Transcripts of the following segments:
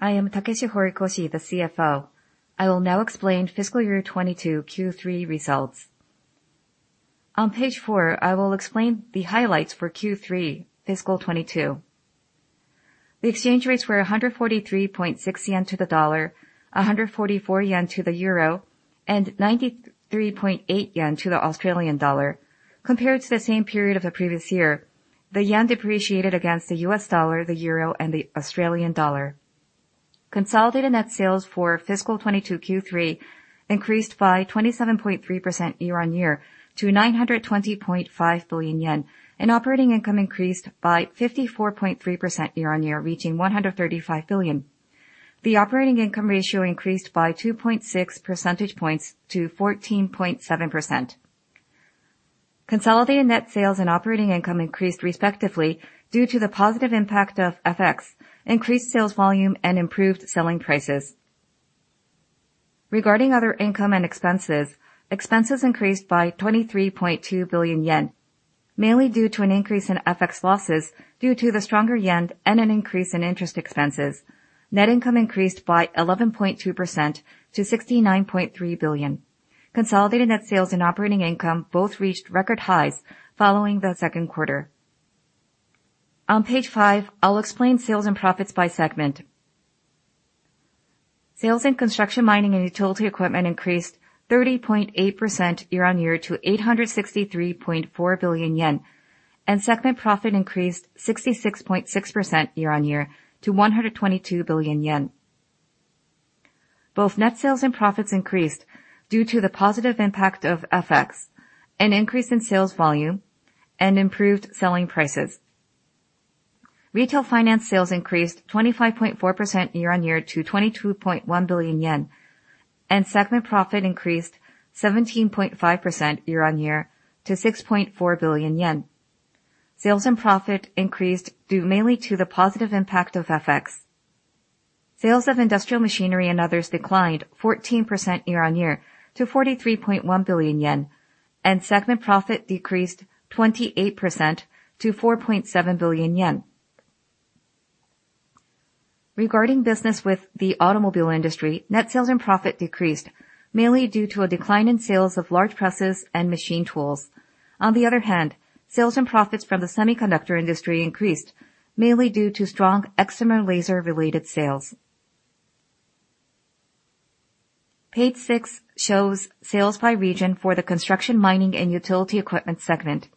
I am Takeshi Horikoshi, the CFO. I will now explain FY 2022 Q3 results. On page 4, I will explain the highlights for Q3 fiscal 2022. The exchange rates were 143.6 yen to the U.S. dollar, 144 yen to the euro, and 93.8 yen to the Australian dollar. Compared to the same period of the previous year, the yen depreciated against the U.S. dollar, the euro and the Australian dollar. Consolidated net sales for fiscal 2022 Q3 increased by 27.3% year-on-year to 920.5 billion yen. Operating income increased by 54.3% year-on-year, reaching 135 billion. The operating income ratio increased by 2.6 percentage points to 14.7%. Consolidated net sales and operating income increased respectively due to the positive impact of FX, increased sales volume and improved selling prices. Regarding other income and expenses increased by 23.2 billion yen, mainly due to an increase in FX losses due to the stronger yen and an increase in interest expenses. Net income increased by 11.2% to 69.3 billion. Consolidated net sales and operating income both reached record highs following the Q2. On page five, I'll explain sales and profits by segment. Sales in construction, mining, and utility equipment increased 30.8% year-on-year to 863.4 billion yen. Segment profit increased 66.6% year-on-year to 122 billion yen. Both net sales and profits increased due to the positive impact of FX, an increase in sales volume and improved selling prices. Retail finance sales increased 25.4% year-on-year to 22.1 billion yen. Segment profit increased 17.5% year-on-year to 6.4 billion yen. Sales and profit increased due mainly to the positive impact of FX. Sales of industrial machinery and others declined 14% year-on-year to 43.1 billion yen. Segment profit decreased 28% to 4.7 billion yen. Regarding business with the automobile industry, net sales and profit decreased mainly due to a decline in sales of large presses and machine tools. On the other hand, sales and profits from the semiconductor industry increased mainly due to strong excimer laser related sales. Page six shows sales by region for the construction, mining, and utility equipment segment.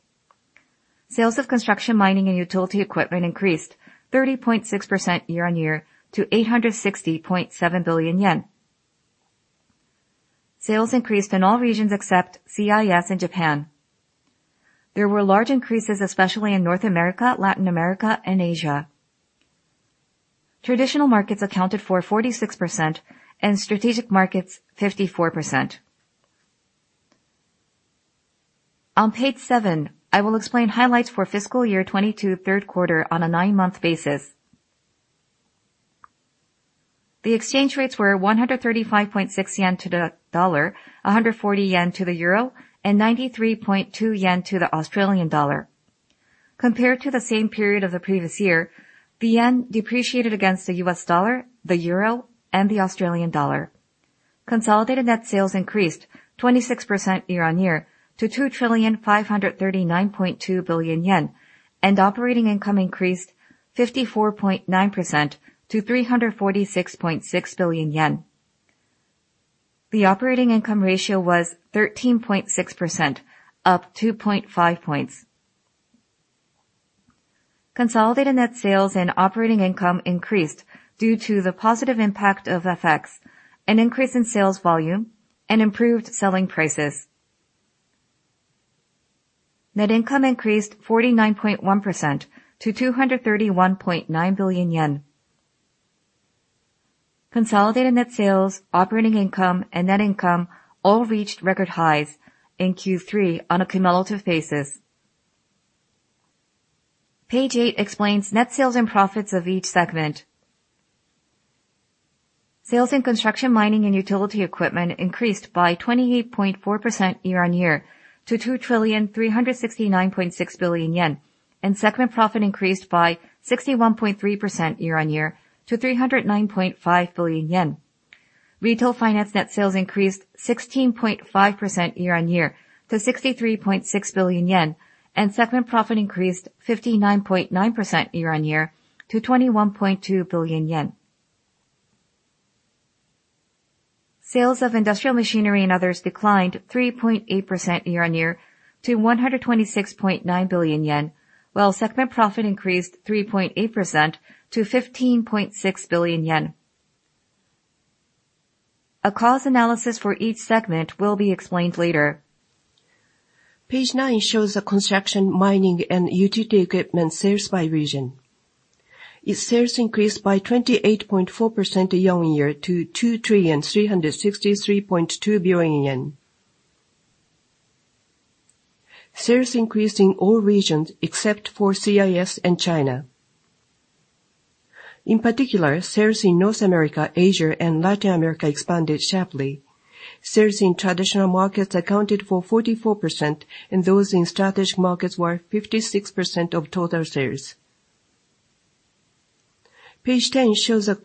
Sales of construction, mining, and utility equipment increased 30.6% year-over-year to 860.7 billion yen. Sales increased in all regions except CIS and Japan. There were large increases, especially in North America, Latin America, and Asia. Traditional markets accounted for 46% and strategic markets 54%. On page seven, I will explain highlights for FY 2022 Q3 on a nine-month basis. The exchange rates were 135.6 yen to the dollar, 140 yen to the euro, and 93.2 yen to the Australian dollar. Compared to the same period of the previous year, the yen depreciated against the US dollar, the euro, and the Australian dollar. Consolidated net sales increased 26% year-on-year to 2,539.2 billion yen, and operating income increased 54.9% to 346.6 billion yen. The operating income ratio was 13.6%, up 2.5 points. Consolidated net sales and operating income increased due to the positive impact of FX, an increase in sales volume and improved selling prices. Net income increased 49.1% to 231.9 billion yen. Consolidated net sales, operating income, and net income all reached record highs in Q3 on a cumulative basis. Page 8 explains net sales and profits of each segment. Sales in construction, mining, and utility equipment increased by 28.4% year-on-year to 2,369.6 billion yen. Segment profit increased by 61.3% year-on-year to 309.5 billion yen. Retail finance net sales increased 16.5% year-on-year to 63.6 billion yen, and segment profit increased 59.9% year-on-year to 21.2 billion JPY. Sales of industrial machinery and others declined 3.8% year-on-year to 126.9 billion yen, while segment profit increased 3.8% to 15.6 billion yen. A cost analysis for each segment will be explained later. Page nine shows the construction, mining, and utility equipment sales by region. Its sales increased by 28.4% year-on-year to JPY 2,363.2 billion. Sales increased in all regions except for CIS and China. In particular, sales in North America, Asia, and Latin America expanded sharply. Sales in traditional markets accounted for 44%, and those in strategic markets were 56% of total sales. Page 10 shows a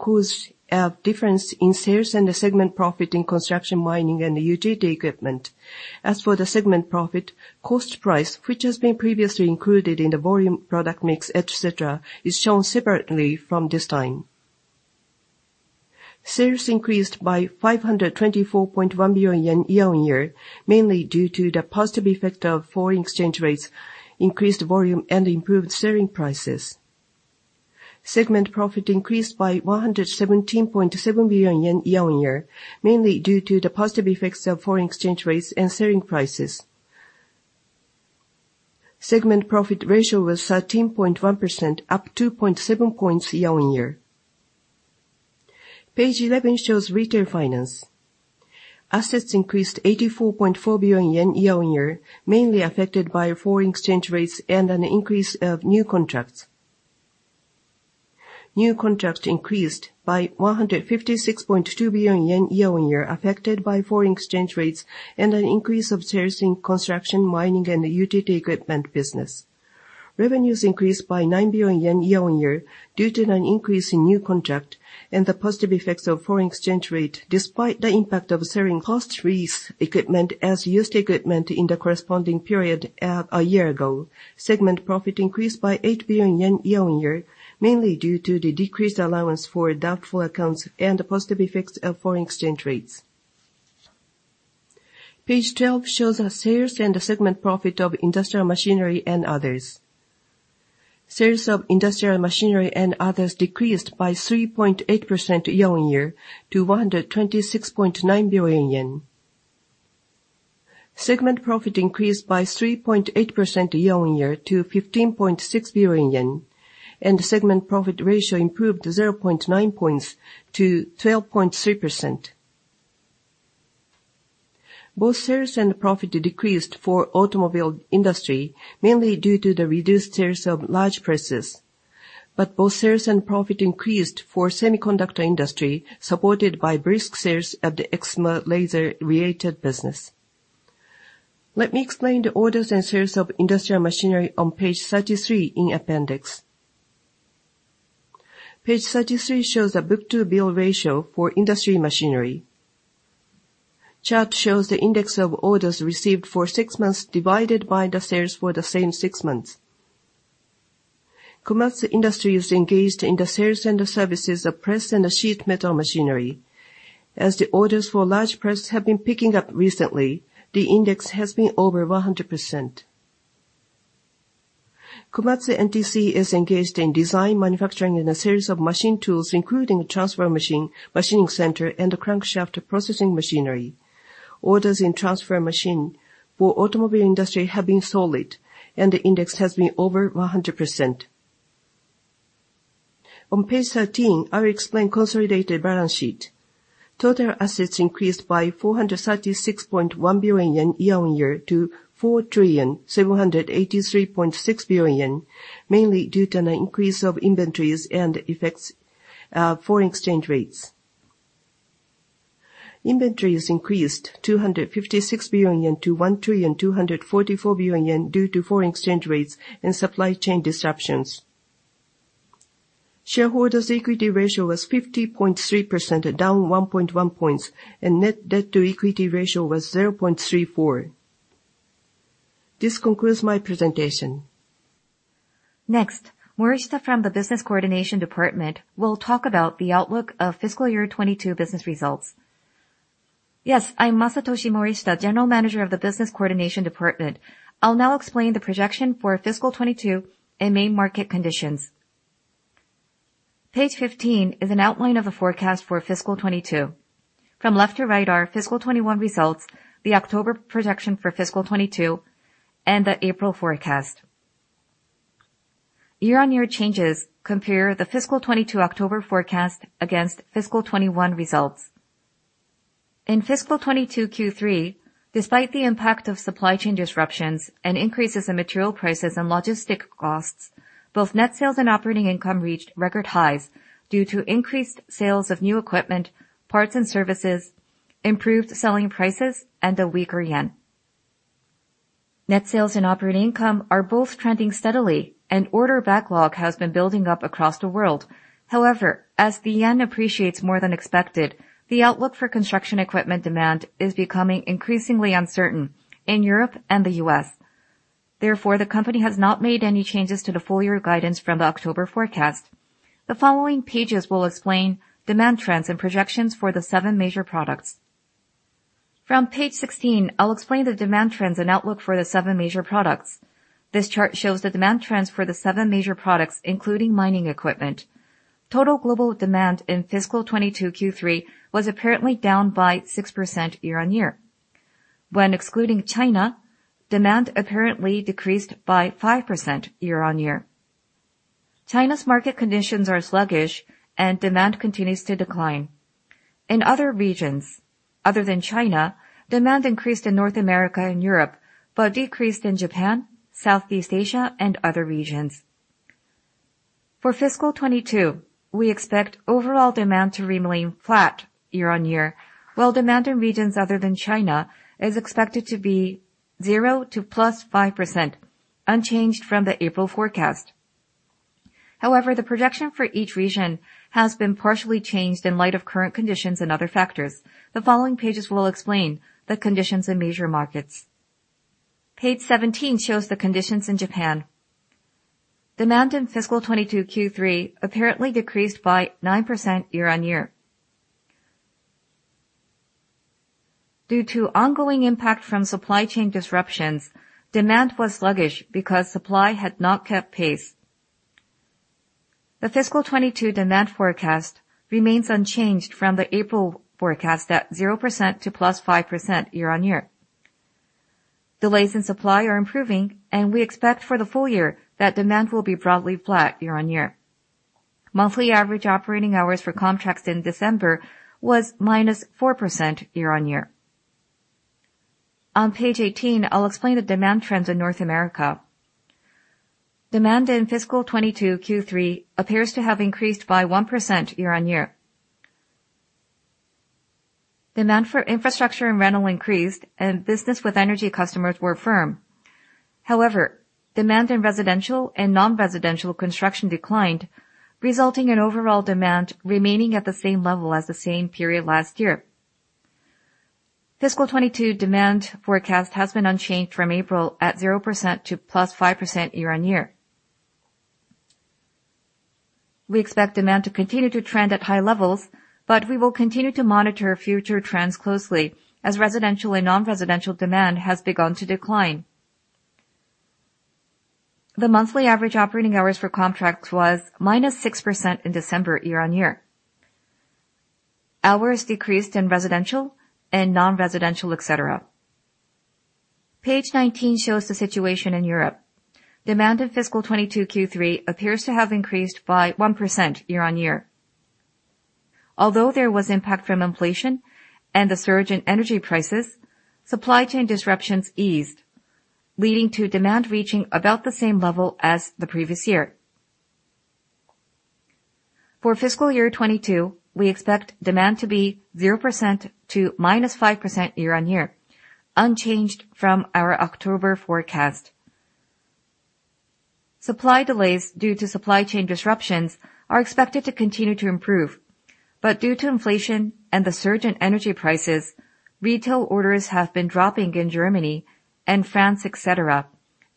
close difference in sales and the segment profit in construction, mining, and utility equipment. As for the segment profit, cost price, which has been previously included in the volume product mix, et cetera, is shown separately from this time. Sales increased by 524.1 billion yen year-on-year, mainly due to the positive effect of foreign exchange rates, increased volume, and improved selling prices. Segment profit increased by 117.7 billion yen year-on-year, mainly due to the positive effects of foreign exchange rates and selling prices. Segment profit ratio was 13.1%, up 2.7 points year-on-year. Page 11 shows retail finance. Assets increased 84.4 billion yen year-on-year, mainly affected by foreign exchange rates and an increase of new contracts. New contracts increased by 156.2 billion yen year-on-year, affected by foreign exchange rates and an increase of sales in construction, mining, and utility equipment business. Revenues increased by 9 billion yen year-on-year due to an increase in new contract and the positive effects of foreign exchange rate, despite the impact of selling cost lease equipment as used equipment in the corresponding period at a year ago. Segment profit increased by 8 billion yen year-on-year, mainly due to the decreased allowance for doubtful accounts and the positive effects of foreign exchange rates. Page 12 shows the sales and the segment profit of industrial machinery and others. Sales of industrial machinery and others decreased by 3.8% year-on-year to 126.9 billion yen. Segment profit increased by 3.8% year-on-year to 15.6 billion yen, and the segment profit ratio improved to 0.9 points to 12.3%. Both sales and profit decreased for automobile industry, mainly due to the reduced sales of large presses. Both sales and profit increased for semiconductor industry, supported by brisk sales at the excimer laser-related business. Let me explain the orders and sales of industrial machinery on page 33 in appendix. Page 33 shows the book-to-bill ratio for industry machinery. Chart shows the index of orders received for 6 months divided by the sales for the same six months. Komatsu Industries engaged in the sales and the services of press and the sheet metal machinery. As the orders for large press have been picking up recently, the index has been over 100%. Komatsu NTC is engaged in design, manufacturing, and the sales of machine tools, including transfer machine, machining center, and the crankshaft processing machinery. Orders in transfer machine for automobile industry have been solid, and the index has been over 100%. On page 13, I will explain consolidated balance sheet. Total assets increased by 436.1 billion yen year-on-year to 4,783.6 billion yen, mainly due to an increase of inventories and effects of foreign exchange rates. Inventories increased 256 billion yen to 1,244 billion yen due to foreign exchange rates and supply chain disruptions. Shareholders' equity ratio was 50.3%, down 1.1 points, and net debt to equity ratio was 0.34. This concludes my presentation. Morishita from the Business Coordination Department will talk about the outlook of FY 2022 business results. I'm Masatoshi Morishita, General Manager of the Business Coordination Department. I'll now explain the projection for fiscal 2022 and main market conditions. Page 15 is an outline of the forecast for fiscal 2022. From left to right are fiscal 2021 results, the October projection for fiscal 2022, and the April forecast. Year-on-year changes compare the fiscal 2022 October forecast against fiscal 2021 results. In fiscal 2022 Q3, despite the impact of supply chain disruptions and increases in material prices and logistic costs, both net sales and operating income reached record highs due to increased sales of new equipment, parts and services, improved selling prices, and a weaker yen. Net sales and operating income are both trending steadily, and order backlog has been building up across the world. As the yen appreciates more than expected, the outlook for construction equipment demand is becoming increasingly uncertain in Europe and the U.S. The company has not made any changes to the full-year guidance from the October forecast. The following pages will explain demand trends and projections for the seven major products. From page 16, I'll explain the demand trends and outlook for the seven major products. This chart shows the demand trends for the seven major products, including mining equipment. Total global demand in fiscal 22 Q3 was apparently down by 6% year-on-year. When excluding China, demand apparently decreased by 5% year-on-year. China's market conditions are sluggish, and demand continues to decline. In other regions other than China, demand increased in North America and Europe, but decreased in Japan, Southeast Asia, and other regions. Fiscal 2022, we expect overall demand to remain flat year-on-year, while demand in regions other than China is expected to be 0% to +5%, unchanged from the April forecast. The projection for each region has been partially changed in light of current conditions and other factors. The following pages will explain the conditions in major markets. Page 17 shows the conditions in Japan. Demand in fiscal 2022 Q3 apparently decreased by 9% year-on-year. Due to ongoing impact from supply chain disruptions, demand was sluggish because supply had not kept pace. The fiscal 2022 demand forecast remains unchanged from the April forecast at 0% to +5% year-on-year. Delays in supply are improving. We expect for the full year that demand will be broadly flat year-on-year. Monthly average operating hours for KOMTRAX in December was -4% year-on-year. On page 18, I'll explain the demand trends in North America. Demand in fiscal 2022 Q3 appears to have increased by 1% year-on-year. Demand for infrastructure and rental increased. Business with energy customers were firm. However, demand in residential and non-residential construction declined, resulting in overall demand remaining at the same level as the same period last year. Fiscal 2022 demand forecast has been unchanged from April at 0% to +5% year-on-year. We expect demand to continue to trend at high levels. We will continue to monitor future trends closely as residential and non-residential demand has begun to decline. The monthly average operating hours for KOMTRAX was minus 6% in December year-on-year. Hours decreased in residential and non-residential, et cetera. Page 19 shows the situation in Europe. Demand in fiscal 2022 Q3 appears to have increased by 1% year-on-year. There was impact from inflation and the surge in energy prices, supply chain disruptions eased, leading to demand reaching about the same level as the previous year. For FY 2022, we expect demand to be 0% to -5% year-on-year, unchanged from our October forecast. Supply delays due to supply chain disruptions are expected to continue to improve, due to inflation and the surge in energy prices, retail orders have been dropping in Germany and France, et cetera.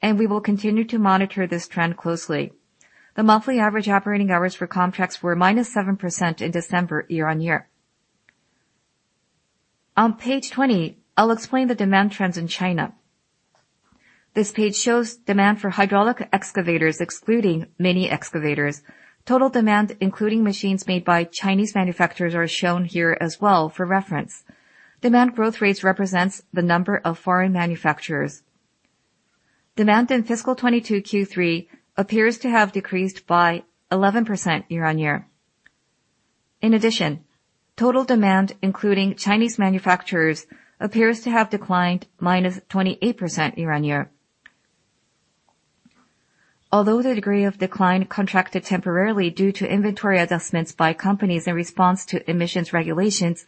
We will continue to monitor this trend closely. The monthly average operating hours for KOMTRAX were -7% in December year-on-year. On page 20, I'll explain the demand trends in China. This page shows demand for hydraulic excavators, excluding mini excavators. Total demand, including machines made by Chinese manufacturers, are shown here as well for reference. Demand growth rates represents the number of foreign manufacturers. Demand in fiscal 2022 Q3 appears to have decreased by 11% year-on-year. Total demand including Chinese manufacturers appears to have declined -28% year-on-year. Although the degree of decline contracted temporarily due to inventory adjustments by companies in response to emissions regulations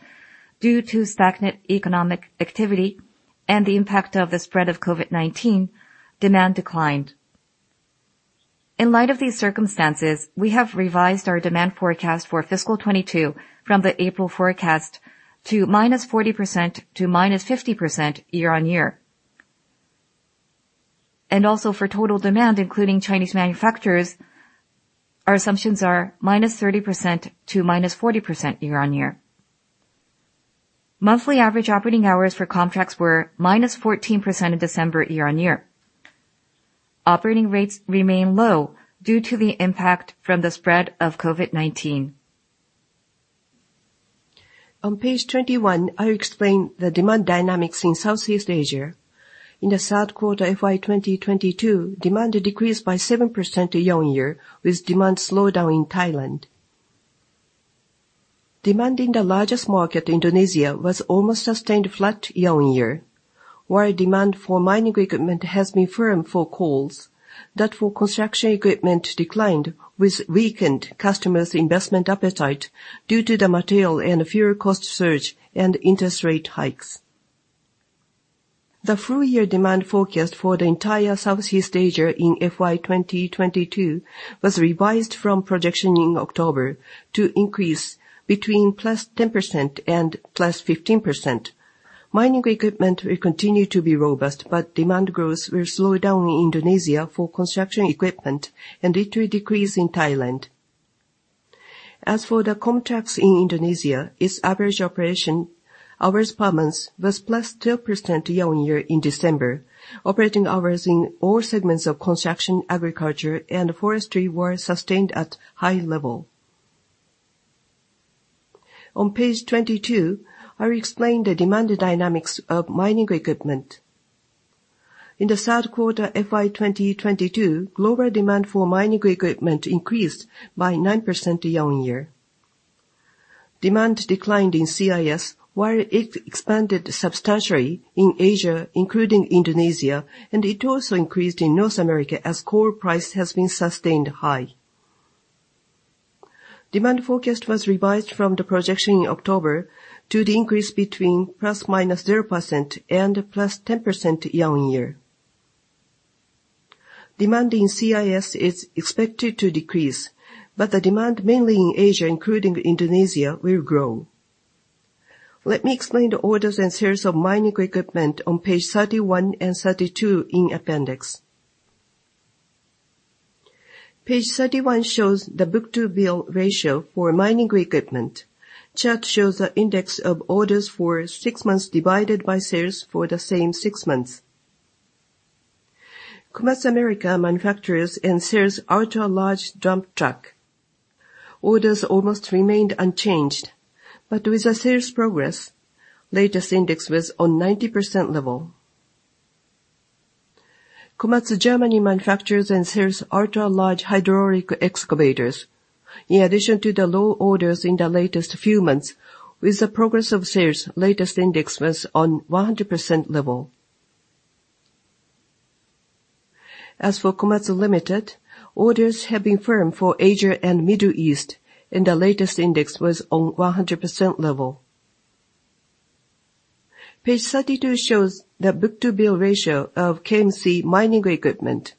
due to stagnant economic activity and the impact of the spread of COVID-19, demand declined. In light of these circumstances, we have revised our demand forecast for fiscal 2022 from the April forecast to -40% to -50% year-on-year. Also for total demand, including Chinese manufacturers, our assumptions are -30% to -40% year-on-year. Monthly average operating hours for KOMTRAX were -14% in December year-on-year. Operating rates remain low due to the impact from the spread of COVID-19. On page 21, I'll explain the demand dynamics in Southeast Asia. In the 3rd quarter FY2022, demand decreased by 7% year-on-year, with demand slowdown in Thailand. Demand in the largest market, Indonesia, was almost sustained flat year-on-year, where demand for mining equipment has been firm for coals. That for construction equipment declined with weakened customers' investment appetite due to the material and fuel cost surge and interest rate hikes. The full year demand forecast for the entire Southeast Asia in FY2022 was revised from projection in October to increase between +10% and +15%. Mining equipment will continue to be robust, but demand growth will slow down in Indonesia for construction equipment and it will decrease in Thailand. As for the KOMTRAX in Indonesia, its average operation hours per month was +12% year-on-year in December. Operating hours in all segments of construction, agriculture, and forestry were sustained at high level. On page 22, I will explain the demand dynamics of mining equipment. In the Q3 FY2022, global demand for mining equipment increased by 9% year-on-year. Demand declined in CIS while it expanded substantially in Asia, including Indonesia, and it also increased in North America as coal price has been sustained high. Demand forecast was revised from the projection in October to the increase between ±0% and +10% year-on-year. Demand in CIS is expected to decrease. The demand mainly in Asia, including Indonesia, will grow. Let me explain the orders and sales of mining equipment on page 31 and 32 in appendix. Page 31 shows the book-to-bill ratio for mining equipment. Chart shows the index of orders for six months divided by sales for the same six months. Komatsu America manufactures and sells ultra-large dump truck. Orders almost remained unchanged, but with the sales progress, latest index was on 90% level. Komatsu Germany manufactures and sells ultra-large hydraulic excavators. In addition to the low orders in the latest few months, with the progress of sales, latest index was on 100% level. As for Komatsu Limited, orders have been firm for Asia and Middle East, and the latest index was on 100% level. Page 32 shows the book-to-bill ratio of KMC mining equipment.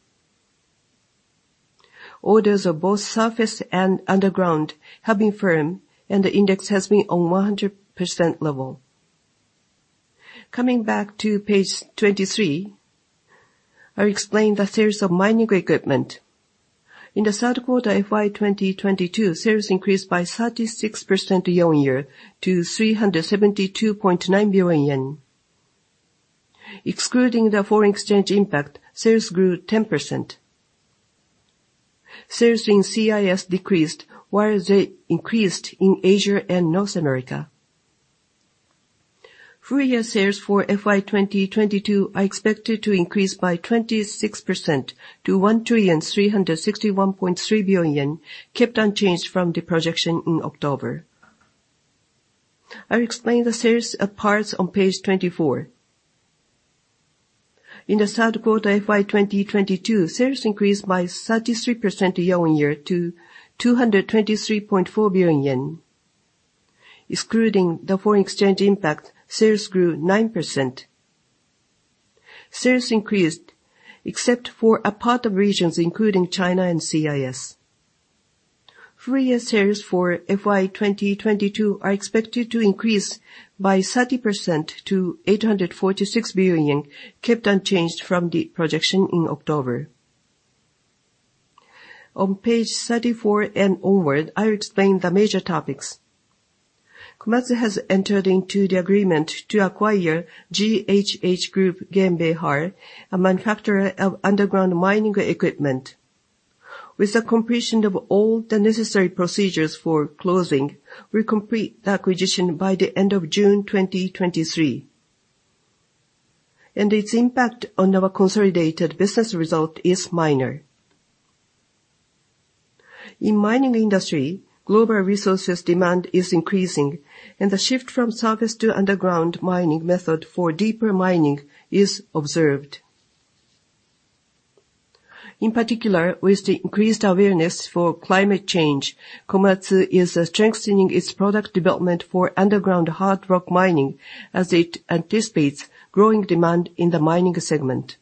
Orders of both surface and underground have been firm, and the index has been on 100% level. Coming back to page 23, I'll explain the sales of mining equipment. In the Q3 FY 2022, sales increased by 36% year-on-year to 372.9 billion yen. Excluding the foreign exchange impact, sales grew 10%. Sales in CIS decreased while they increased in Asia and North America. Full year sales for FY 2022 are expected to increase by 26% to 1,361.3 billion yen, kept unchanged from the projection in October. I'll explain the sales of parts on page 24. In the Q3 FY 2022, sales increased by 33% year-on-year to 223.4 billion yen. Excluding the foreign exchange impact, sales grew 9%. Sales increased except for a part of regions including China and CIS. Full year sales for FY 2022 are expected to increase by 30% to 846 billion, kept unchanged from the projection in October. On page 34 and onward, I'll explain the major topics. Komatsu has entered into the agreement to acquire GHH Group GmbH, a manufacturer of underground mining equipment. With the completion of all the necessary procedures for closing, we'll complete the acquisition by the end of June 2023. Its impact on our consolidated business result is minor. In mining industry, global resources demand is increasing. The shift from surface to underground mining method for deeper mining is observed. In particular, with the increased awareness for climate change, Komatsu is strengthening its product development for underground hard rock mining as it anticipates growing demand in the mining segment.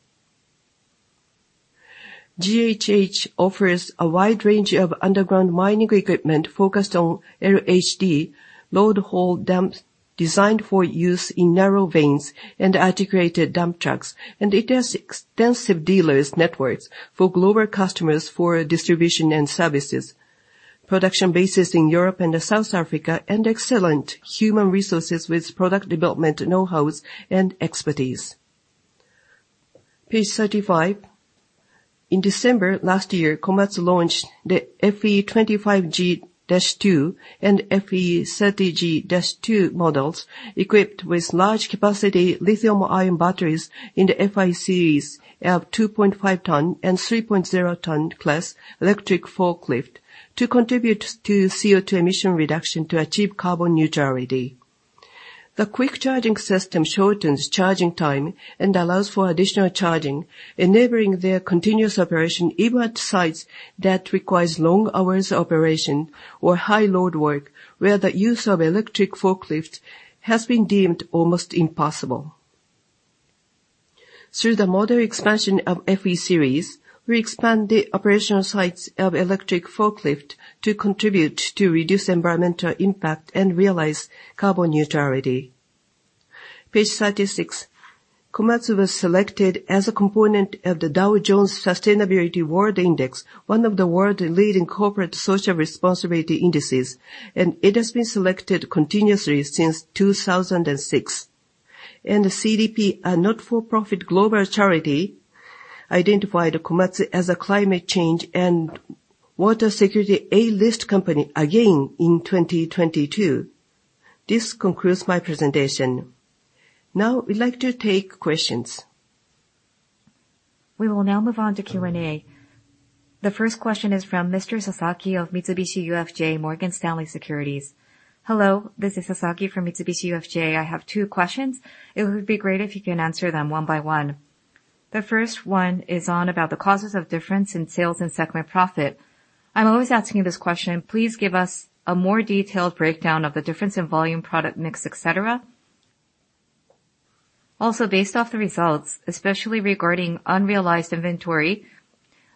GHH offers a wide range of underground mining equipment focused on LHD load haul dumps designed for use in narrow veins and articulated dump trucks. It has extensive dealers networks for global customers for distribution and services, production bases in Europe and South Africa, and excellent human resources with product development know-hows and expertise. Page 35. In December last year, Komatsu launched the FE25G-2 and FE30G-2 models equipped with large capacity lithium-ion batteries in the FE series of 2.5 ton and 3.0 ton plus electric forklift to contribute to CO2 emission reduction to achieve carbon neutrality. The quick charging system shortens charging time and allows for additional charging, enabling their continuous operation even at sites that requires long hours operation or high load work where the use of electric forklifts has been deemed almost impossible. Through the model expansion of FE series, we expand the operational sites of electric forklift to contribute to reduce environmental impact and realize carbon neutrality. Page 36. Komatsu was selected as a component of the Dow Jones Sustainability World Index, one of the world's leading corporate social responsibility indices, and it has been selected continuously since 2006. The CDP, a not-for-profit global charity, identified Komatsu as a climate change and water security A list company again in 2022. This concludes my presentation. We'd like to take questions. We will now move on to Q&A. The first question is from Mr. Sasaki of Mitsubishi UFJ Morgan Stanley Securities. Hello, this is Sasaki from Mitsubishi UFJ. I have two questions. It would be great if you can answer them one by one. The first one is on about the causes of difference in sales and segment profit. I'm always asking you this question. Please give us a more detailed breakdown of the difference in volume, product mix, et cetera. Also, based off the results, especially regarding unrealized inventory,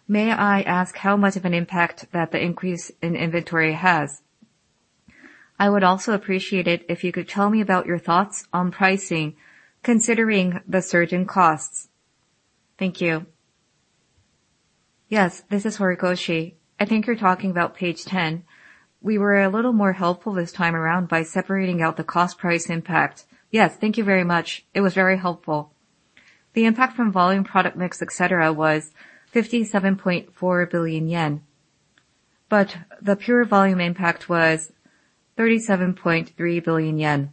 may I ask how much of an impact that the increase in inventory has? I would also appreciate it if you could tell me about your thoughts on pricing considering the surge in costs. Thank you. Yes, this is Horikoshi. I think you're talking about page 10. We were a little more helpful this time around by separating out the cost price impact. Yes, thank you very much. It was very helpful. The impact from volume, product mix, et cetera, was 57.4 billion yen. The pure volume impact was 37.3 billion yen.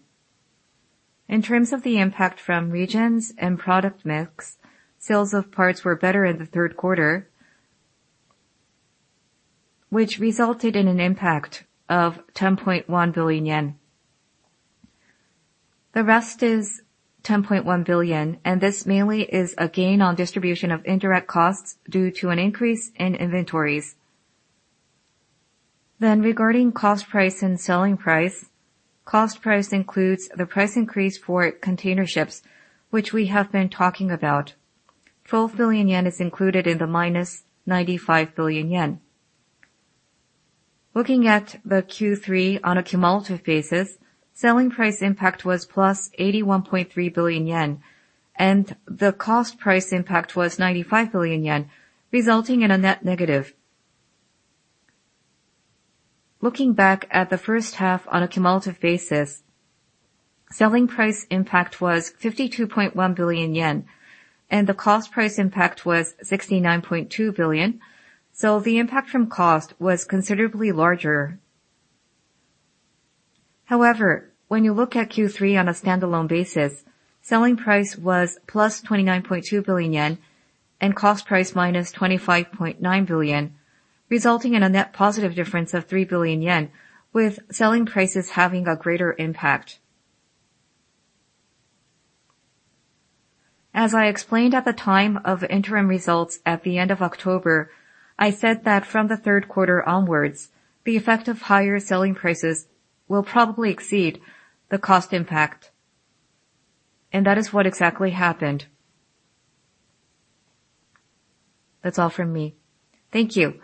In terms of the impact from regions and product mix, sales of parts were better in the Q3, which resulted in an impact of 10.1 billion yen. The rest is 10.1 billion. This mainly is a gain on distribution of indirect costs due to an increase in inventories. Regarding cost price and selling price, cost price includes the price increase for containerships, which we have been talking about. 4 billion yen is included in the -95 billion yen. Looking at the Q3 on a cumulative basis, selling price impact was +81.3 billion yen, the cost price impact was 95 billion yen, resulting in a net negative. Looking back at the H1 on a cumulative basis, selling price impact was 52.1 billion yen, the cost price impact was 69.2 billion. The impact from cost was considerably larger. However, when you look at Q3 on a standalone basis, selling price was +29.2 billion yen and cost price -25.9 billion, resulting in a net positive difference of 3 billion yen, with selling prices having a greater impact. As I explained at the time of interim results at the end of October, I said that from the Q3 onwards, the effect of higher selling prices will probably exceed the cost impact. That is what exactly happened. That's all from me. Thank you.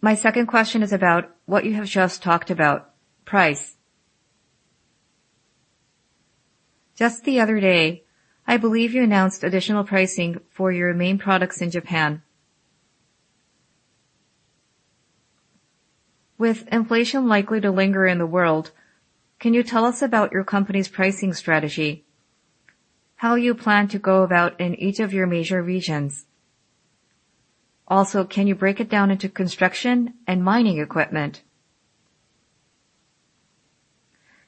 My second question is about what you have just talked about, price. Just the other day, I believe you announced additional pricing for your main products in Japan. With inflation likely to linger in the world, can you tell us about your company's pricing strategy? How you plan to go about in each of your major regions? Can you break it down into construction and mining equipment?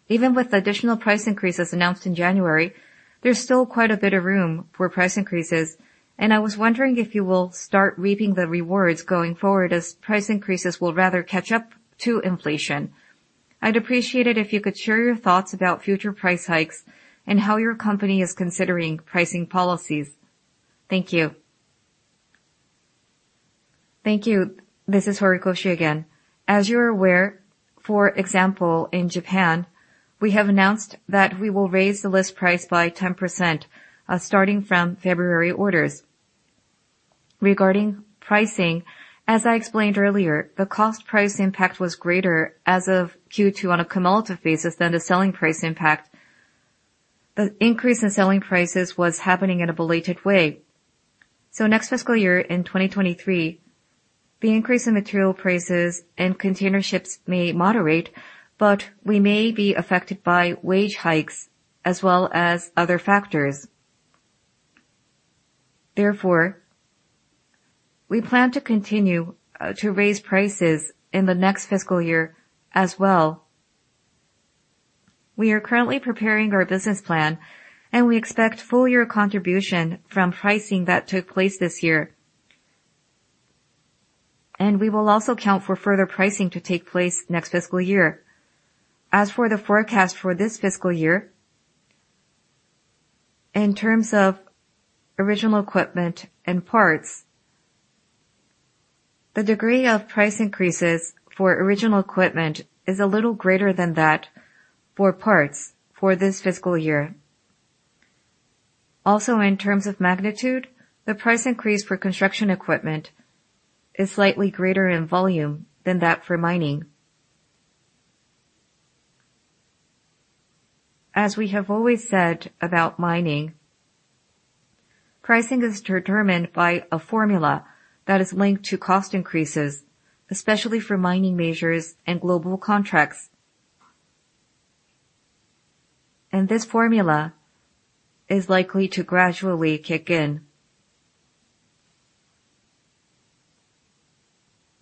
Even with additional price increases announced in January, there's still quite a bit of room for price increases. I was wondering if you will start reaping the rewards going forward as price increases will rather catch up to inflation. I'd appreciate it if you could share your thoughts about future price hikes and how your company is considering pricing policies. Thank you. Thank you. This is Horikoshi again. As you're aware, for example, in Japan, we have announced that we will raise the list price by 10%, starting from February orders. Regarding pricing, as I explained earlier, the cost price impact was greater as of Q2 on a cumulative basis than the selling price impact. The increase in selling prices was happening in a belated way. Next FY in 2023, the increase in material prices and containerships may moderate, but we may be affected by wage hikes as well as other factors. Therefore, we plan to continue to raise prices in the next FY as well. We are currently preparing our business plan, and we expect full year contribution from pricing that took place this year. We will also account for further pricing to take place next FY. As for the forecast for this FY, in terms of original equipment and parts, the degree of price increases for original equipment is a little greater than that for parts for this FY. In terms of magnitude, the price increase for construction equipment is slightly greater in volume than that for mining. As we have always said about mining, pricing is determined by a formula that is linked to cost increases, especially for mining majors and global contracts. This formula is likely to gradually kick in.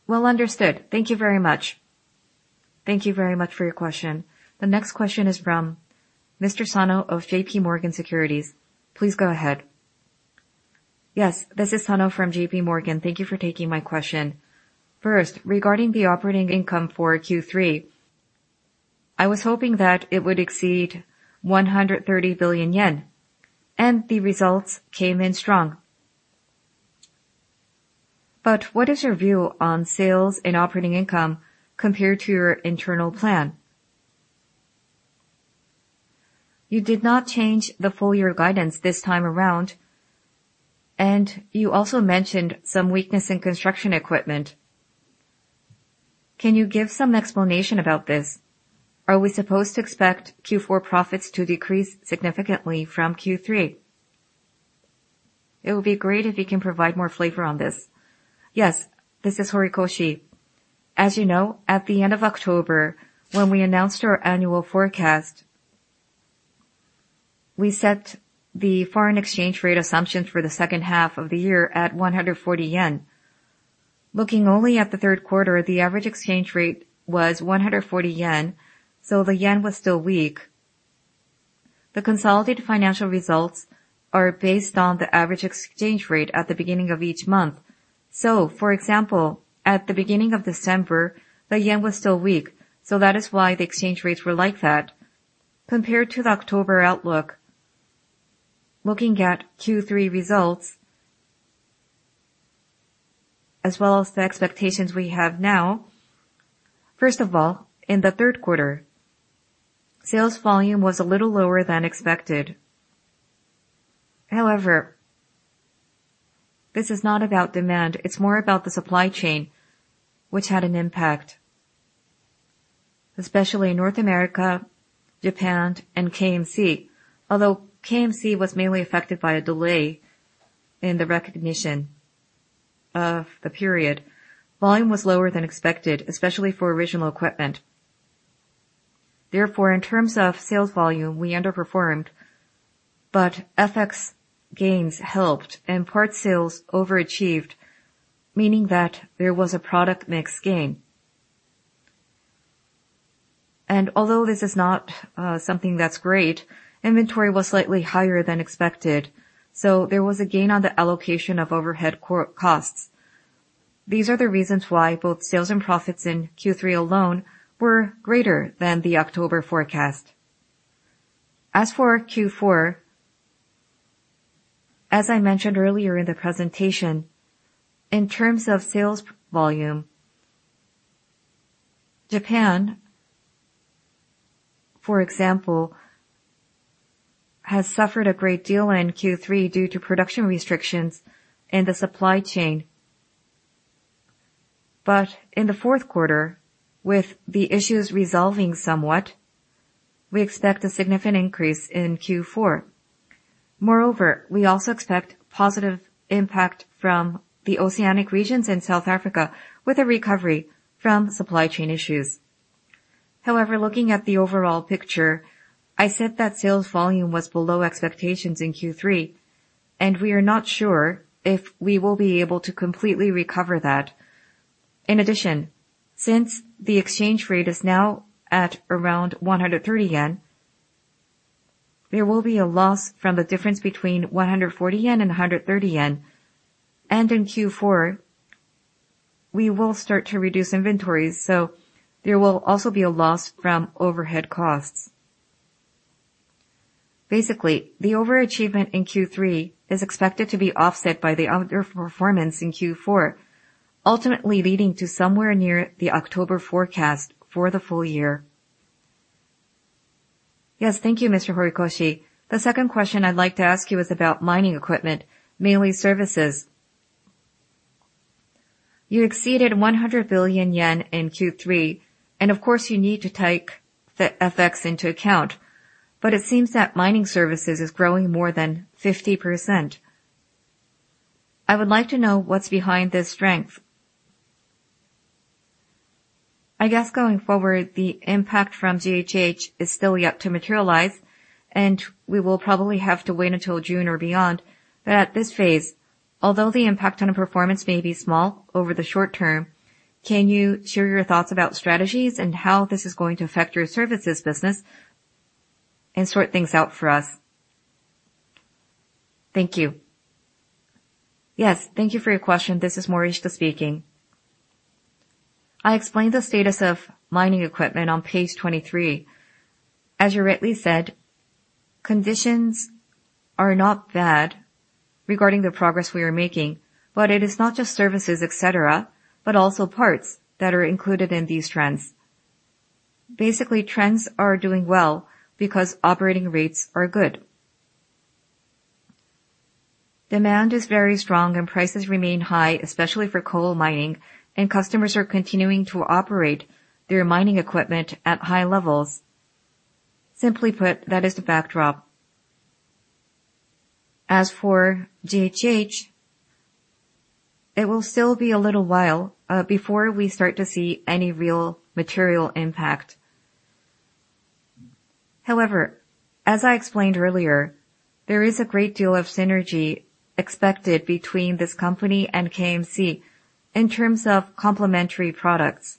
Well understood. Thank you very much. Thank you very much for your question. The next question is from Mr. Sano of JPMorgan Securities. Please go ahead. Yes, this is Sano from JPMorgan. Thank you for taking my question. First, regarding the operating income for Q3, I was hoping that it would exceed 130 billion yen, and the results came in strong. What is your view on sales and operating income compared to your internal plan? You did not change the full year guidance this time around, and you also mentioned some weakness in construction equipment. Can you give some explanation about this? Are we supposed to expect Q4 profits to decrease significantly from Q3? It would be great if you can provide more flavor on this. Yes, this is Horikoshi. As you know, at the end of October, when we announced our annual forecast, we set the foreign exchange rate assumptions for the H2 of the year at 140 yen. Looking only at the Q3, the average exchange rate was 140 yen, so the yen was still weak. The consolidated financial results are based on the average exchange rate at the beginning of each month. For example, at the beginning of December, the yen was still weak, so that is why the exchange rates were like that compared to the October outlook. Looking at Q3 results, as well as the expectations we have now, first of all, in the Q3, sales volume was a little lower than expected. This is not about demand. It's more about the supply chain, which had an impact, especially in North America, Japan and KMC. KMC was mainly affected by a delay in the recognition of the period. Volume was lower than expected, especially for original equipment. In terms of sales volume, we underperformed, but FX gains helped and part sales overachieved, meaning that there was a product mix gain. Although this is not something that's great, inventory was slightly higher than expected, so there was a gain on the allocation of overhead costs. These are the reasons why both sales and profits in Q3 alone were greater than the October forecast. As for Q4, as I mentioned earlier in the presentation, in terms of sales volume, Japan, for example, has suffered a great deal in Q3 due to production restrictions in the supply chain. In the Q4, with the issues resolving somewhat, we expect a significant increase in Q4. We also expect positive impact from the oceanic regions in South Africa with a recovery from supply chain issues. Looking at the overall picture, I said that sales volume was below expectations in Q3 and we are not sure if we will be able to completely recover that. Since the exchange rate is now at around 130 yen, there will be a loss from the difference between 140 yen and 130 yen. In Q4 we will start to reduce inventories, so there will also be a loss from overhead costs. Basically, the overachievement in Q3 is expected to be offset by the underperformance in Q4, ultimately leading to somewhere near the October forecast for the full year. Thank you, Mr. Horikoshi. The second question I'd like to ask you is about mining equipment, mainly services. You exceeded 100 billion yen in Q3, and of course, you need to take the FX into account, but it seems that mining services is growing more than 50%. I would like to know what's behind this strength. I guess going forward, the impact from GHH is still yet to materialize, and we will probably have to wait until June or beyond. At this phase, although the impact on performance may be small over the short term, can you share your thoughts about strategies and how this is going to affect your services business and sort things out for us? Thank you. Yes, thank you for your question. This is Morishita speaking. I explained the status of mining equipment on page 23. As you rightly said, conditions are not bad regarding the progress we are making, but it is not just services, et cetera, but also parts that are included in these trends. Basically, trends are doing well because operating rates are good. Demand is very strong and prices remain high, especially for coal mining, and customers are continuing to operate their mining equipment at high levels. Simply put, that is the backdrop. As for GHH, it will still be a little while, before we start to see any real material impact. As I explained earlier, there is a great deal of synergy expected between this company and KMC in terms of complementary products.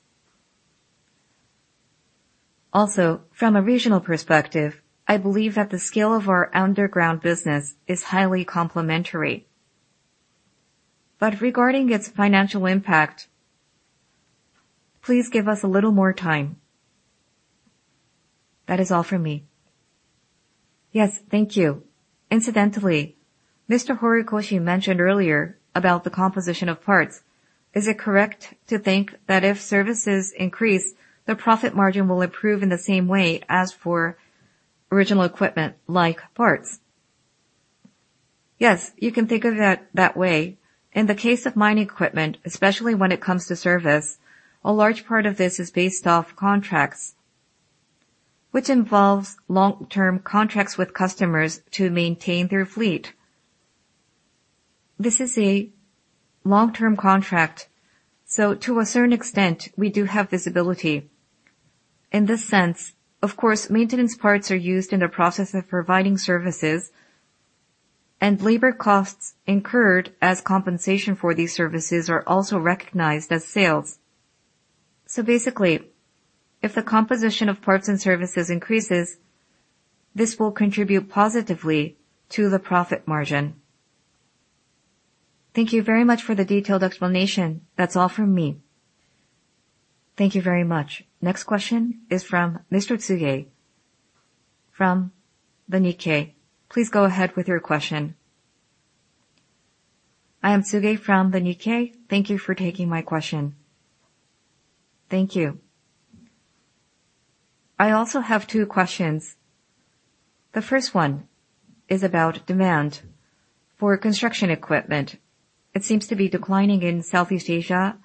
Also, from a regional perspective, I believe that the scale of our underground business is highly complementary. Regarding its financial impact, please give us a little more time. That is all for me. Yes, thank you. Incidentally, Mr. Horikoshi mentioned earlier about the composition of parts. Is it correct to think that if services increase, the profit margin will improve in the same way as for original equipment, like parts? Yes, you can think of it that way. In the case of mining equipment, especially when it comes to service, a large part of this is based off contracts, which involves long-term contracts with customers to maintain their fleet. This is a long-term contract, to a certain extent, we do have visibility. In this sense, of course, maintenance parts are used in the process of providing services, and labor costs incurred as compensation for these services are also recognized as sales. Basically, if the composition of parts and services increases, this will contribute positively to the profit margin. Thank you very much for the detailed explanation. That's all from me. Thank you very much. Next question is from Mr. Tsuge from the Nikkei. Please go ahead with your question. I am Tsuge from the Nikkei. Thank you for taking my question. Thank you. I also have two questions. The first one is about demand for construction equipment. It seems to be declining in Southeast Asia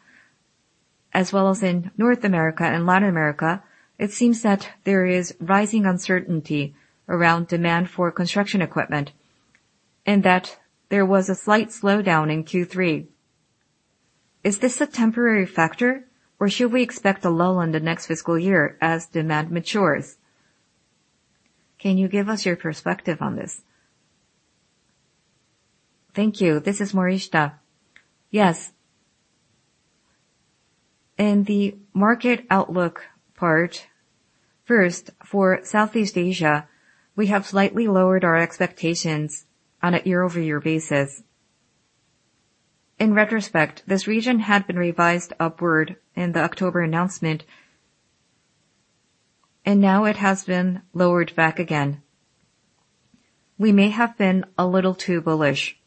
as well as in North America and Latin America. It seems that there is rising uncertainty around demand for construction equipment. There was a slight slowdown in Q3. Is this a temporary factor, or should we expect a lull in the next FY as demand matures? Can you give us your perspective on this? Thank you. This is Morishita. Yes. In the market outlook part, first, for Southeast Asia, we have slightly lowered our expectations on a year-over-year basis. In retrospect, this region had been revised upward in the October announcement, Now it has been lowered back again. We may have been a little too bullish.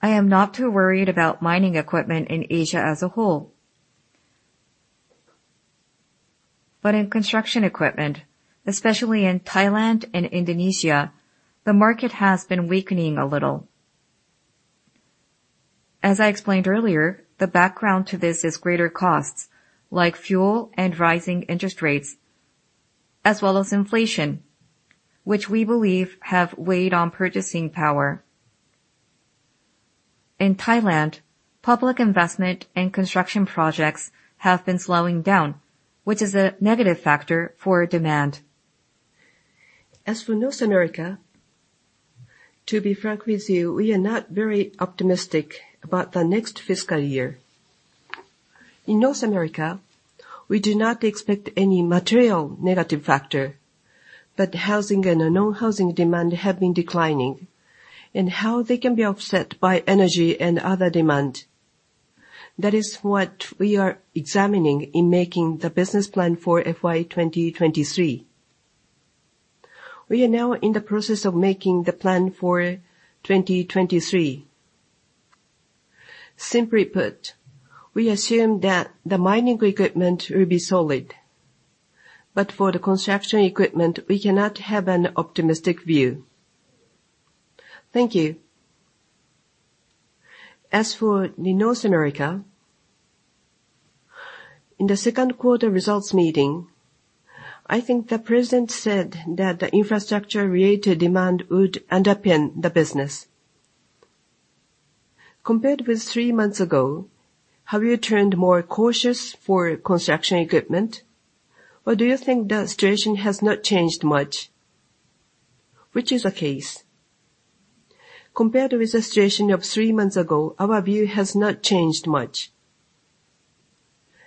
I am not too worried about mining equipment in Asia as a whole. In construction equipment, especially in Thailand and Indonesia, the market has been weakening a little. As I explained earlier, the background to this is greater costs, like fuel and rising interest rates, as well as inflation, which we believe have weighed on purchasing power. In Thailand, public investment and construction projects have been slowing down, which is a negative factor for demand. As for North America, to be frank with you, we are not very optimistic about the next FY. In North America, we do not expect any material negative factor, but housing and non-housing demand have been declining, and how they can be offset by energy and other demand. That is what we are examining in making the business plan for FY 2023. We are now in the process of making the plan for 2023. Simply put, we assume that the mining equipment will be solid, but for the construction equipment, we cannot have an optimistic view. Thank you. As for North America, in the Q2 results meeting, I think the president said that the infrastructure related demand would underpin the business. Compared with three months ago, have you turned more cautious for construction equipment, or do you think the situation has not changed much? Which is the case? Compared with the situation of three months ago, our view has not changed much.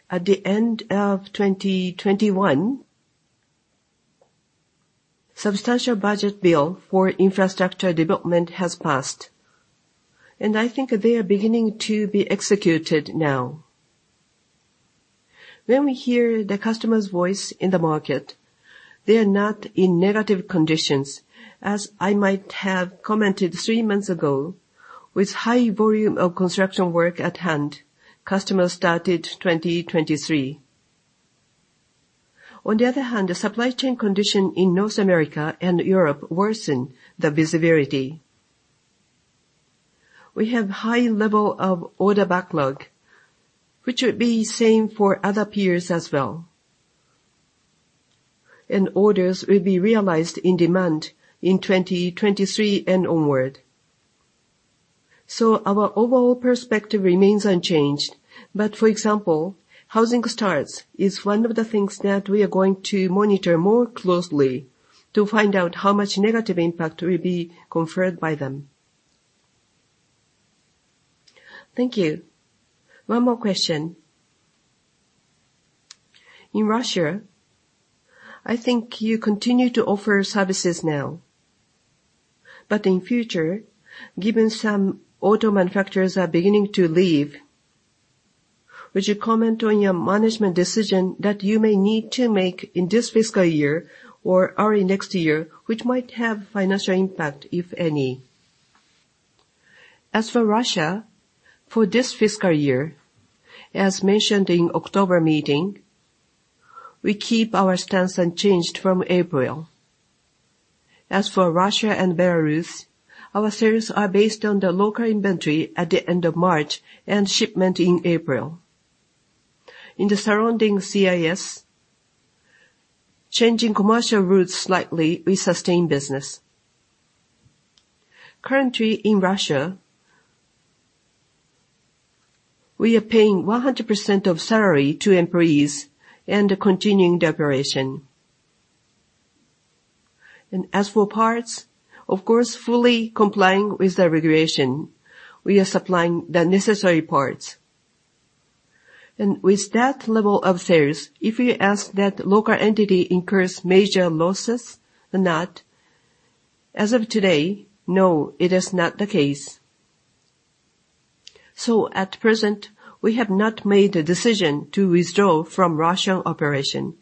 At the end of 2021, substantial budget bill for infrastructure development has passed. I think they are beginning to be executed now. When we hear the customer's voice in the market, they are not in negative conditions. As I might have commented three months ago, with high volume of construction work at hand, customers started 2023. On the other hand, the supply chain condition in North America and Europe worsen the visibility. We have high level of order backlog, which would be same for other peers as well. Orders will be realized in demand in 2023 and onward. Our overall perspective remains unchanged. For example, housing starts is one of the things that we are going to monitor more closely to find out how much negative impact will be conferred by them. Thank you. One more question. In Russia, I think you continue to offer services now. In future, given some auto manufacturers are beginning to leave, would you comment on your management decision that you may need to make in this FY or early next year, which might have financial impact, if any? As for Russia, for this FY, as mentioned in October meeting, we keep our stance unchanged from April. As for Russia and Belarus, our sales are based on the local inventory at the end of March and shipment in April. In the surrounding CIS, changing commercial routes slightly, we sustain business. Currently in Russia, we are paying 100% of salary to employees and continuing the operation. As for parts, of course, fully complying with the regulation, we are supplying the necessary parts. With that level of sales, if we ask that local entity incurs major losses or not, as of today, no, it is not the case. At present, we have not made a decision to withdraw from Russian operation.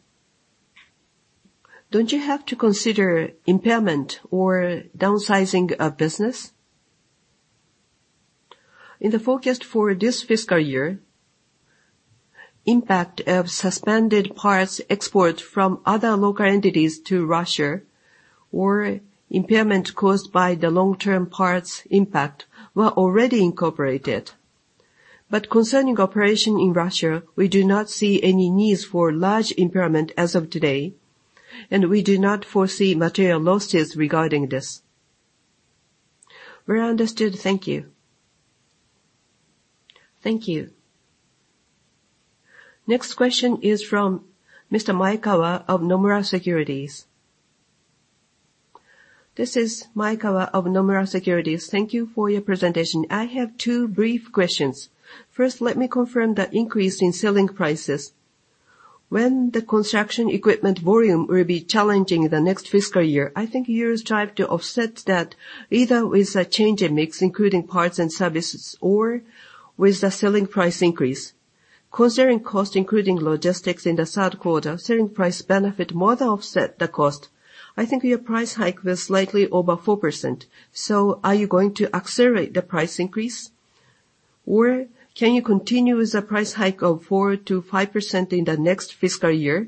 Don't you have to consider impairment or downsizing of business? In the forecast for this FY, impact of suspended parts export from other local entities to Russia or impairment caused by the long-term parts impact were already incorporated. Concerning operation in Russia, we do not see any needs for large impairment as of today, and we do not foresee material losses regarding this. We understood. Thank you. Thank you. Next question is from Mr. Maekawa of Nomura Securities. This is Maekawa of Nomura Securities. Thank you for your presentation. I have two brief questions. First, let me confirm the increase in selling prices. When the construction equipment volume will be challenging the next FY, I think you will strive to offset that either with a change in mix, including parts and services, or with the selling price increase. Considering cost, including logistics in the Q3, selling price benefit more than offset the cost. I think your price hike was slightly over 4%. Are you going to accelerate the price increase, or can you continue with the price hike of 4%-5% in the next FY?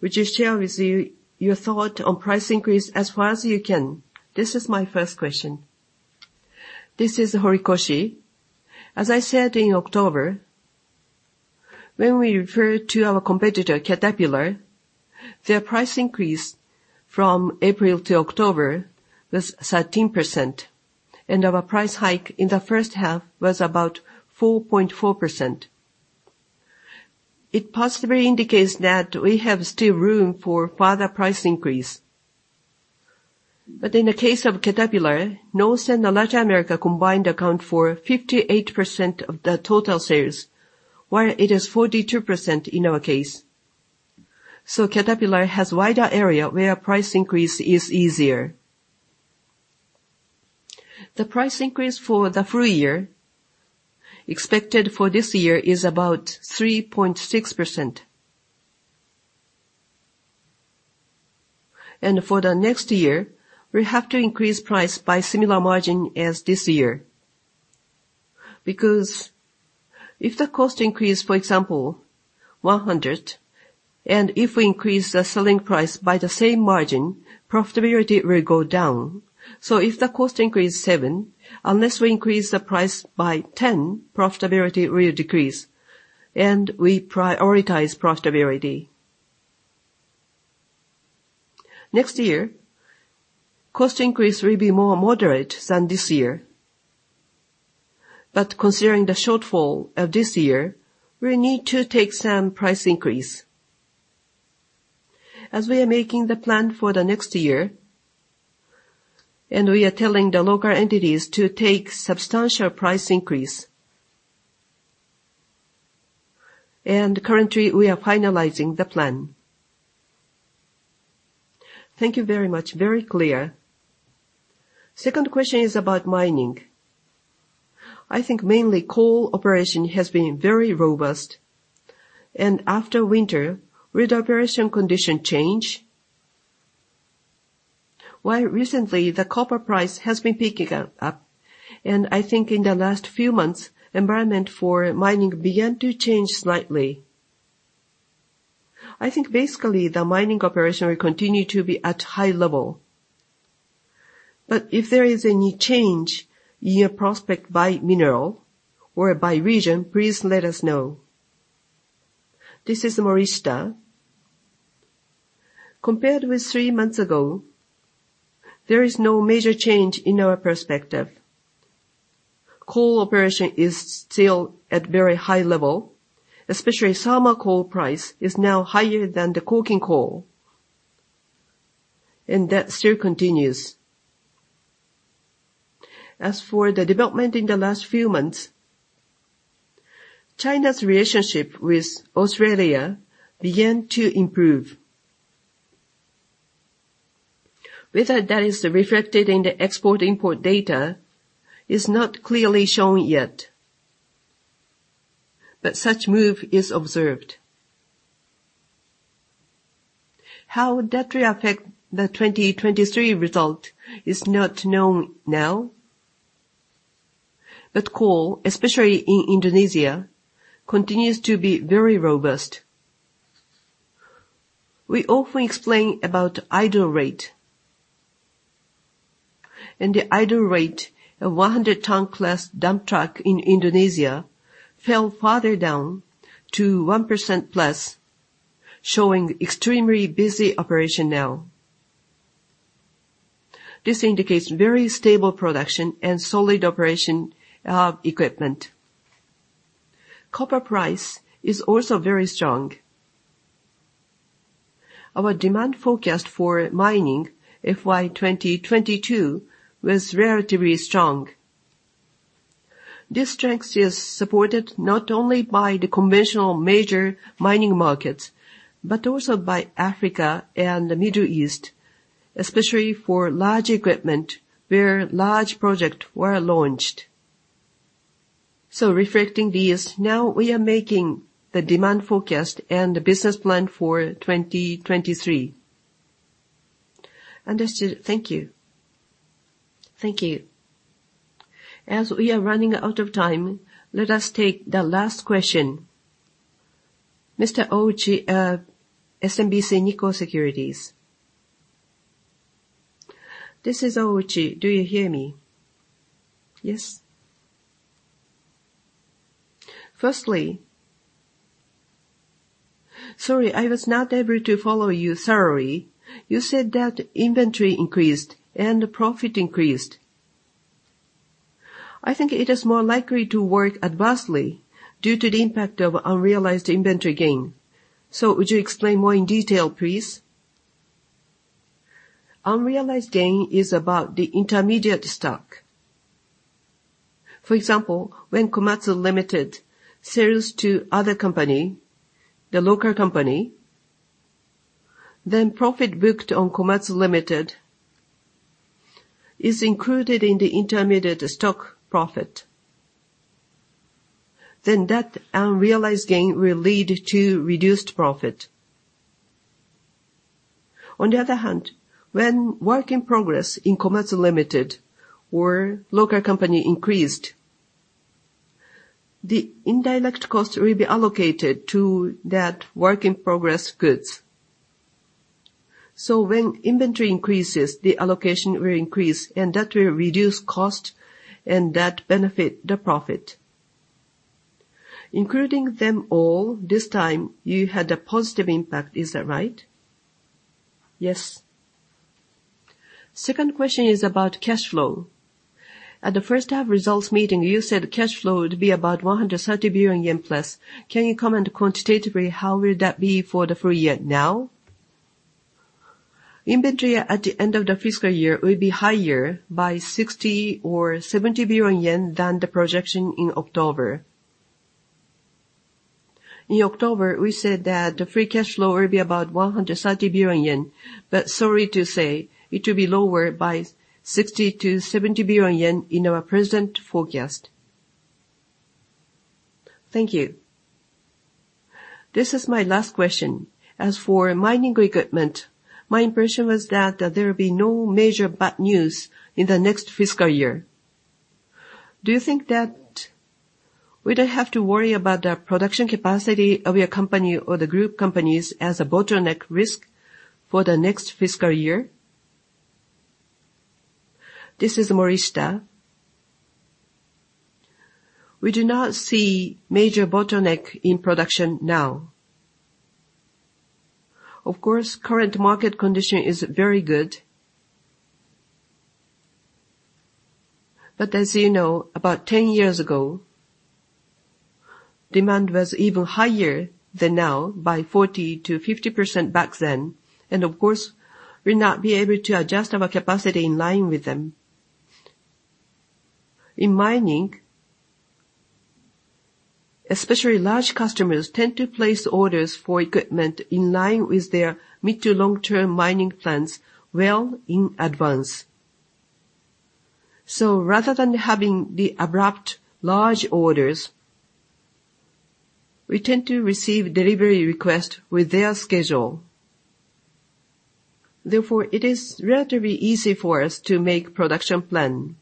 Would you share with you your thought on price increase as far as you can? This is my first question. This is Horikoshi. As I said in October, when we refer to our competitor, Caterpillar, their price increase from April to October was 13%, and our price hike in the H1 was about 4.4%. It possibly indicates that we have still room for further price increase. In the case of Caterpillar, North and the Latin America combined account for 58% of the total sales, while it is 42% in our case. Caterpillar has wider area where price increase is easier. The price increase for the full year expected for this year is about 3.6%. For the next year, we have to increase price by similar margin as this year. If the cost increase, for example, 100, and if we increase the selling price by the same margin, profitability will go down. If the cost increase seven, unless we increase the price by 10, profitability will decrease, and we prioritize profitability. Next year, cost increase will be more moderate than this year. Considering the shortfall of this year, we need to take some price increase. As we are making the plan for the next year, and we are telling the local entities to take substantial price increase. Currently, we are finalizing the plan. Thank you very much. Very clear. Second question is about mining. I think mainly coal operation has been very robust. After winter, will the operation condition change? While recently, the copper price has been picking up, and I think in the last few months, environment for mining began to change slightly. I think basically, the mining operation will continue to be at high level. If there is any change in your prospect by mineral or by region, please let us know. This is Morishita. Compared with three months ago, there is no major change in our perspective. Coal operation is still at very high level, especially thermal coal price is now higher than the coking coal. That still continues. As for the development in the last few months, China's relationship with Australia began to improve. Whether that is reflected in the export-import data is not clearly shown yet. Such move is observed. How that will affect the 2023 result is not known now. Coal, especially in Indonesia, continues to be very robust. We often explain about idle rate. The idle rate of 100 ton class dump truck in Indonesia fell farther down to 1%+, showing extremely busy operation now. This indicates very stable production and solid operation equipment. Copper price is also very strong. Our demand forecast for mining FY 2022 was relatively strong. This strength is supported not only by the conventional major mining markets, but also by Africa and the Middle East, especially for large equipment, where large project were launched. Reflecting this, now we are making the demand forecast and the business plan for 2023. Understood. Thank you. Thank you. As we are running out of time, let us take the last question. Mr. Ouchi, SMBC Nikko Securities. This is Ouchi. Do you hear me? Yes. Firstly. Sorry, I was not able to follow you thoroughly. You said that inventory increased and profit increased. I think it is more likely to work adversely due to the impact of unrealized inventory gain. Would you explain more in detail, please? Unrealized gain is about the intermediate stock. When Komatsu Ltd. sells to other company, the local company, profit booked on Komatsu Ltd. is included in the intermediate stock profit. That unrealized gain will lead to reduced profit. When work in progress in Komatsu Ltd. or local company increased, the indirect cost will be allocated to that work in progress goods. When inventory increases, the allocation will increase, and that will reduce cost and that benefit the profit. Including them all, this time you had a positive impact. Is that right? Yes. The second question is about cash flow. At the H1 results meeting, you said cash flow would be about 130 billion yen plus. Can you comment quantitatively how will that be for the full year now? Inventory at the end of the FY will be higher by 60 billion or 70 billion yen than the projection in October. In October, we said that the free cash flow will be about 130 billion yen. Sorry to say, it will be lower by 60 billion-70 billion yen in our present forecast. Thank you. This is my last question. As for mining equipment, my impression was that there will be no major bad news in the next FY. Do you think that we don't have to worry about the production capacity of your company or the group companies as a bottleneck risk for the next FY? This is Morishita. We do not see major bottleneck in production now. Current market condition is very good. As you know, about 10 years ago, demand was even higher than now by 40%-50% back then, and of course we'll not be able to adjust our capacity in line with them. In mining, especially large customers tend to place orders for equipment in line with their mid to long term mining plans well in advance. Rather than having the abrupt large orders, we tend to receive delivery request with their schedule. Therefore, it is relatively easy for us to make production plan.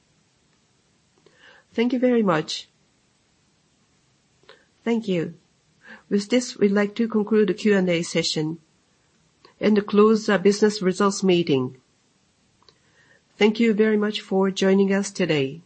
Thank you very much. Thank you. With this, we'd like to conclude the Q&A session and close our business results meeting. Thank you very much for joining us today.